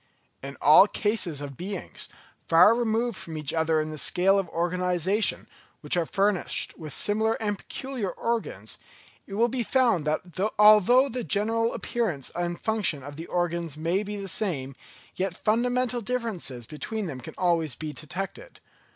In all cases of beings, far removed from each other in the scale of organisation, which are furnished with similar and peculiar organs, it will be found that although the general appearance and function of the organs may be the same, yet fundamental differences between them can always be detected.